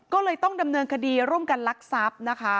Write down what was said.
ก็เลยต้องดำเนินคดีร่วมกันลักทรัพย์นะคะ